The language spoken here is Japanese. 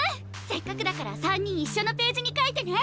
せっかくだから３人一緒のページに書いてね！